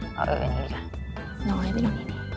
น้อยไปก่อนเนี่ย